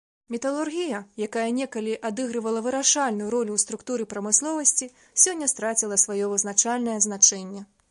Металургія, якая некалі адыгрывала вырашальную ролю ў структуры прамысловасці, сёння страціла сваё вызначальнае значэнне.